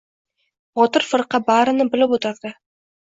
Botir firqa barini bilib o‘tirdi.